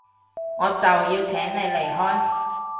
我就要請你離開